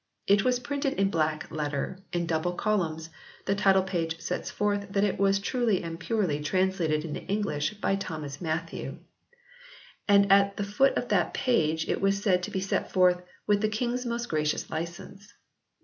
It was printed in black letter, in double columns, the title page sets forth that it was "truly and purely translated into English by Thomas Matthew" and at 60 HISTORY OF THE ENGLISH BIBLE [OH. foot of that page it was said to be set forth "with the Kynge s most gracious lycence."